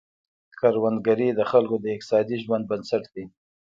کروندګري د خلکو د اقتصادي ژوند بنسټ دی.